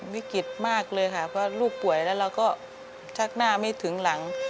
วิกฤตมากเลยค่ะเพราะลูกป่วยแล้วเราก็ชักหน้าไม่ถึงหลัง